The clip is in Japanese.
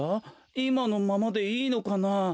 いまのままでいいのかなあ？